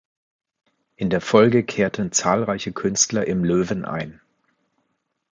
In der Folge kehrten zahlreiche Künstler im „Löwen“ ein.